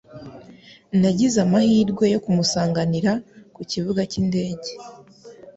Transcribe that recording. Nagize amahirwe yo kumusanganira ku kibuga cy'indege.